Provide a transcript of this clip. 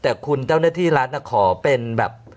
แต่คุณเจ้าหน้าที่รัฐขอเป็นแบบ